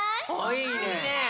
いいね！